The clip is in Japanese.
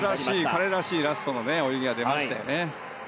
彼らしいラストの泳ぎが出ましたよね。